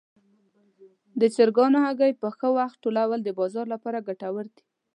د چرګانو هګۍ په ښه وخت ټولول د بازار لپاره ګټور دي.